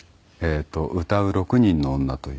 『唄う六人の女』という。